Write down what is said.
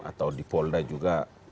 atau di polda juga